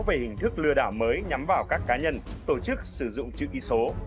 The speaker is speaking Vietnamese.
về hình thức lừa đảo mới nhắm vào các cá nhân tổ chức sử dụng chữ ký số